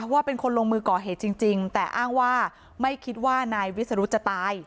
ว่าเป็นคนลงมือก่อเหตุจริงแต่อ้างว่าไม่คิดว่านายวิสรุธจะตาย